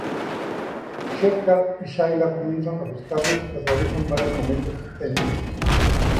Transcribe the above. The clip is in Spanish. Shekhar y Shaila comienzan a buscarlos y atraviesan varios momentos tensos.